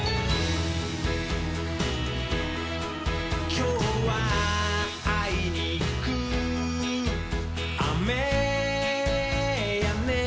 「きょうはあいにくあめやねん」